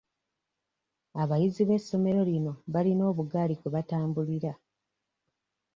Abayizi b'essomero lino balina obugaali kwe batambulira.